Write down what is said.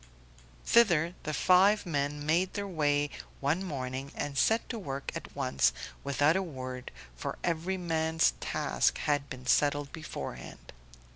Thither the five men made their way one morning and set to work at once, without a word, for every man's task had been settled beforehand.